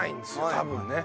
多分ね。